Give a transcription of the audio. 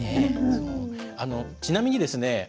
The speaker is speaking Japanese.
ちなみにですね